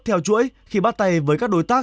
theo chuỗi khi bắt tay với các đối tác